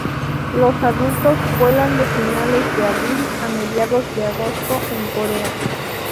Los adultos vuelan de finales de abril a mediados de agosto en Corea.